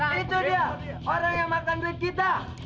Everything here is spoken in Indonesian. nah itu dia orang yang makan duit kita